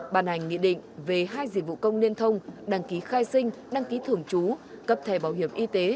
ban hành nghị định về hai dịch vụ công liên thông đăng ký khai sinh đăng ký thưởng chú cấp thẻ bảo hiểm y tế